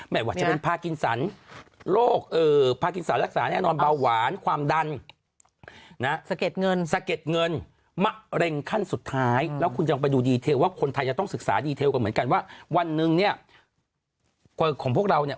ไม่ว่าจะเป็นภาคกินสรรค์โรคภาคกินสรรค์รักษาแน่นอนเบาหวานความดัน